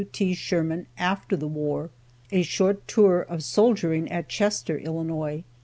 W. T. SHERMAN AFTER THE WAR. A SHORT TOUR OF SOLDIERING AT CHESTER, ILLINOIS.